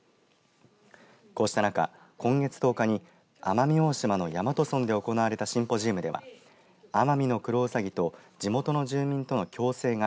こうした中、今月１０日に奄美大島の大和村で行われたシンポジウムではアマミノクロウサギと地元の住民との共生が